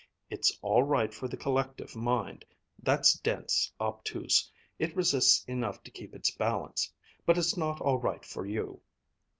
It's all right for the collective mind. That's dense, obtuse; it resists enough to keep its balance. But it's not all right for you.